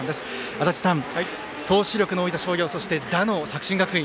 足達さん、投手力の高い大分商業そして、打の作新学院